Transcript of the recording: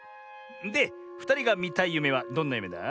でふたりがみたいゆめはどんなゆめだ？